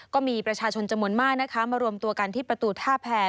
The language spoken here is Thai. ก็มีประชาชนจำนวนมากนะคะมารวมตัวกันที่ประตูท่าแพร